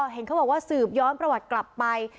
เห็นเขาบอกว่าสืบย้อนประวัติกลับไป